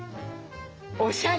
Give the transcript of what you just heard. おしゃれ！